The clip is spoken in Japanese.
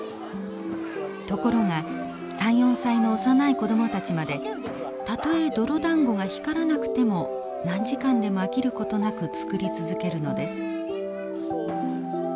ところが３４歳の幼い子供たちまでたとえ泥だんごが光らなくても何時間でも飽きることなく作り続けるのです。